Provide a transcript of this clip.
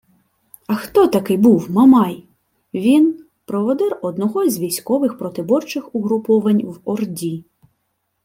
А хто такий був Мамай? Він – проводир одного з військових протиборчих угруповань в Орді